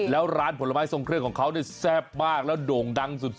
แล้วร้านผลไม้ทรงเครื่องของเขาเนี่ยแซ่บมากแล้วโด่งดังสุด